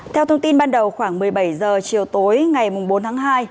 theo thông tin ban đầu khoảng một mươi bảy h chiều tối ngày bốn tháng hai